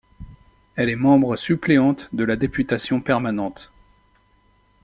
Elle est membre suppléante de la députation permanente.